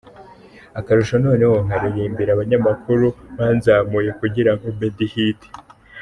Akarusho noneho nkaririmbira abanyamakuru banzamuye kugira ngo mbe ndi Hiti.